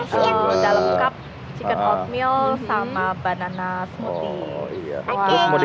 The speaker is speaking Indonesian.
jadi sudah lengkap chicken oatmeal sama banana smoothie